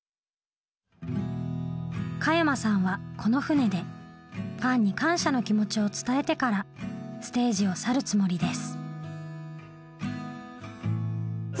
加山さんはこの船でファンに感謝の気持ちを伝えてからステージを去るつもりです。